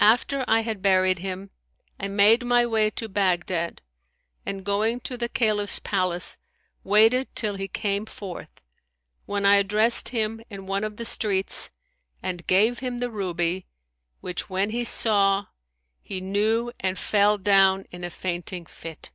After I had buried him, I made my way to Baghdad and, going to the Caliph's palace, waited till he came forth, when I addressed him in one of the streets and gave him the ruby, which when he saw, he knew and fell down in a fainting fit.